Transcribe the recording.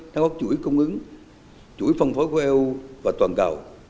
theo các chuỗi công ứng chuỗi phong phó của eu và toàn cầu